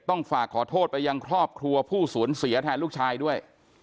ต้องฝากขอโทษไปยังครอบครัวผู้สูญเสียแทนลูกชายด้วย